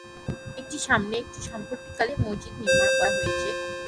এর সামনে একটি সাম্প্রতিককালের মসজিদ নির্মাণ করা হয়েছে।